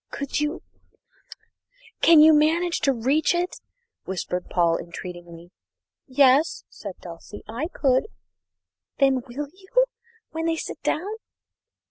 "Could you can you manage to reach it?" whispered Paul entreatingly. "Yes," said Dulcie, "I could." "Then will you when they sit down?"